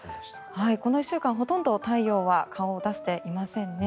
この１週間、ほとんど太陽は顔を出していませんね。